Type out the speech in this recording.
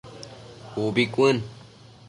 Ubi cuën